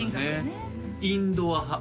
インドア派？